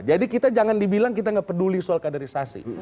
jadi kita jangan dibilang kita gak peduli soal kaderisasi